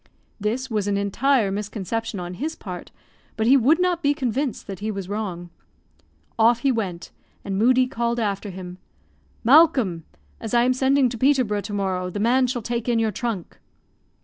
This was an entire misconception on his part; but he would not be convinced that he was wrong. Off he went, and Moodie called after him, "Malcolm, as I am sending to Peterborough to morrow, the man shall take in your trunk."